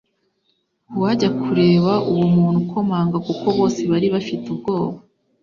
uwajya kureba uwo muntu ukomanga kuko bose bari bafite ubwoba